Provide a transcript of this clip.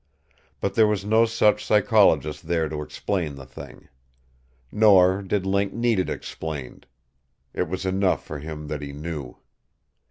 But there was no such psychologist there to explain the thing. Nor did Link need it explained. It was enough for him that he knew.